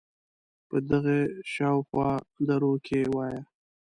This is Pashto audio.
په دغه شااو خوا دروکې وایه